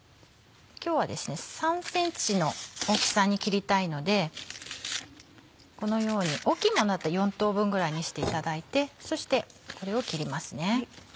今日は３ｃｍの大きさに切りたいのでこのように大きいものだったら４等分ぐらいにしていただいてそしてこれを切りますね。